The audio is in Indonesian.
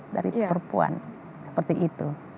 dari perempuan seperti itu